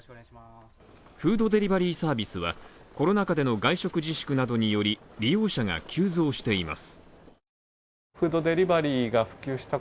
フードデリバリーサービスは、コロナ禍での外食自粛などにより、利用者が急増しています。